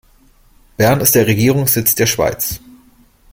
Bern ist der Regierungssitz der Schweiz.